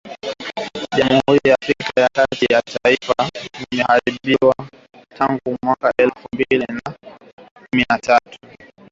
Jamhuri ya Afrika ya kati, taifa la pili kwa maendeleo duni duniani limeharibiwa na vita vya wenyewe kwa wenyewe tangu mwaka elfu mbili na kuni na tatu